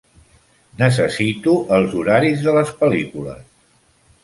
Necessito els horaris de les pel·lícules